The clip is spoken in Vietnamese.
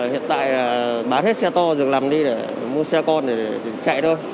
hiện tại bán hết xe to dừng làm đi để mua xe con để chạy thôi